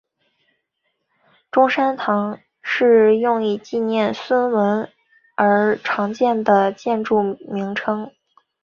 中山堂是用以纪念孙文而常见的建筑名称。